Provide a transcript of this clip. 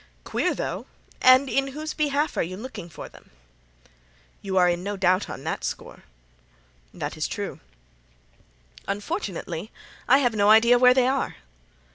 Queer, though. And in whose behalf are you looking for them?" "You are in no doubt on that score." "That is true." "Unfortunately, I have no idea where they are."